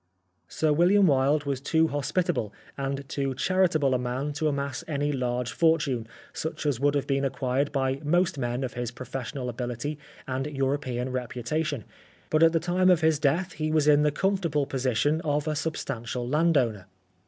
Sir William Wilde was too hospitable and too charitable a man to amass any large fortune such as would have been acquired by most men of his professional ability and European reputa tion, but at the time of his death he was in the comfortable position of a substantial landowner.